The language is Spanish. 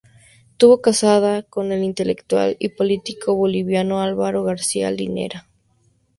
Estuvo casada con el intelectual y político boliviano Álvaro García Linera.